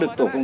xe màu đen